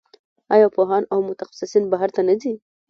آیا پوهان او متخصصین بهر ته نه ځي؟